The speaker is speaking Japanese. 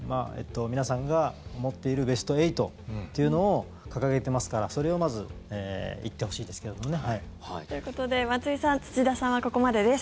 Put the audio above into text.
皆さんが思っているベスト８というのを掲げてますから、それをまず行ってほしいですけどもね。ということで松井さん、土田さんはここまでです。